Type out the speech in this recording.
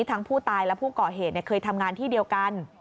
ทั้งผู้ตายและผู้ก่อเหตุเคยทำงานที่เดียวกัน